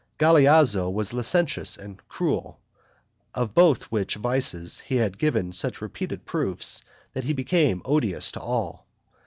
Galeazzo was licentious and cruel, of both which vices he had given such repeated proofs, that he became odious to all.